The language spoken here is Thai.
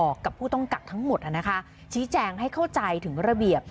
กับผู้ต้องกักทั้งหมดชี้แจงให้เข้าใจถึงระเบียบ